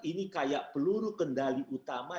ini kayak peluru kendali utama